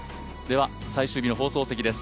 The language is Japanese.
では最終日の放送席です。